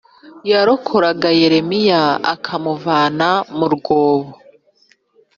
yarokoraga Yeremiya akamuvana mu rwobo